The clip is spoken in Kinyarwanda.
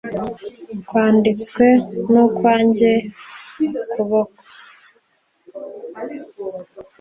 kwanditswe n’ukwanjye kuboko